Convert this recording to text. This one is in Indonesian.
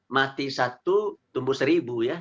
mati satu tumbuh seribu ya